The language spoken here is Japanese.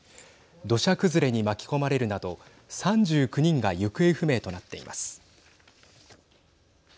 土砂崩れに巻き込まれるなど３９人が行方不明となっています。